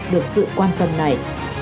được sự quan tâm này